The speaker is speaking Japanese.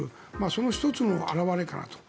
その１つの表れかなと。